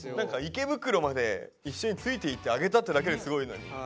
池袋まで一緒についていってあげたってだけですごいのに。